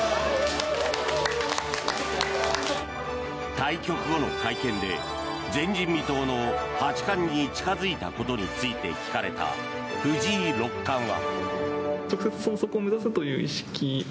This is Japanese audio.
対局後の会見で前人未到の八冠に近付いたことについて聞かれた藤井六冠は。